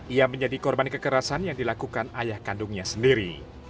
ia menjadi korban kekerasan yang dilakukan ayah kandungnya sendiri